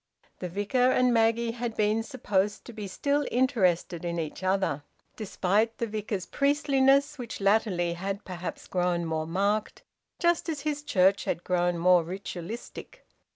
The Vicar and Maggie had been supposed to be still interested in each other, despite the Vicar's priestliness, which latterly had perhaps grown more marked, just as his church had grown more ritualistic.